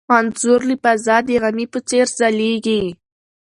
انځور له فضا د غمي په څېر ځلېږي.